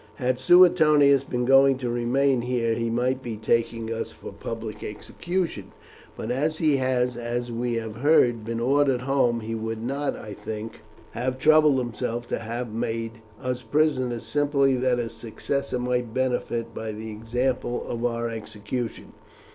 Had Suetonius been going to remain here, he might be taking us to public execution; but as he has, as we have heard, been ordered home, he would not, I think, have troubled himself to have made us prisoners simply that his successor might benefit by the example of our execution.